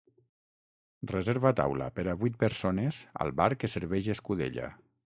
Reserva taula per a vuit persones al bar que serveix escudella